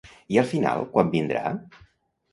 I al final quan vindrà?